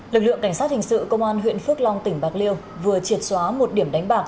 lực lượng cảnh sát hình sự công an huyện phước long tỉnh bạc liêu vừa triệt xóa một điểm đánh bạc